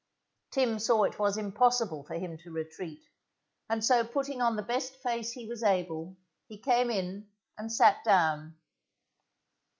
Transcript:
_ Tim saw it was impossible for him to retreat, and so putting on the best face he was able, he came in and sat down.